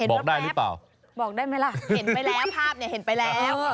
รถแป๊บบอกได้ไหมล่ะเห็นไปแล้วภาพเนี่ยเห็นไปแล้ว